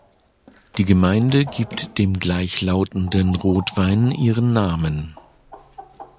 Die Gemeinde gibt dem gleichlautenden Rotwein ihren Namen.